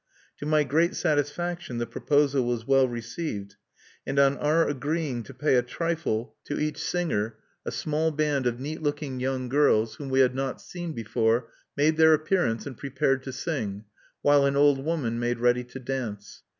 To my great satisfaction the proposal was well received; and on our agreeing to pay a trifle to each singer, a small band of neat looking young girls, whom we had not seen before, made their appearance, and prepared to sing, while an old woman made ready to dance.